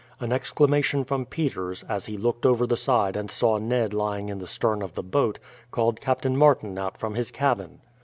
An exclamation from Peters, as he looked over the side and saw Ned lying in the stern of the boat, called Captain Martin out from his cabin.